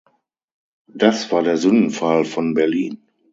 Das war der Sündenfall von Berlin.